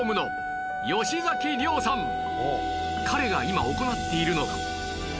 彼が今行っているのが